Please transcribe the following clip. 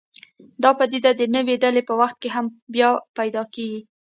دا پدیده د نوې ډلې په وخت کې هم بیا پیدا کېږي.